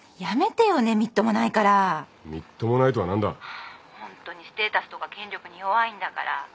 ☎ハァホントにステータスとか権力に弱いんだから。